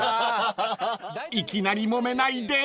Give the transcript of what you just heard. ［いきなりもめないで］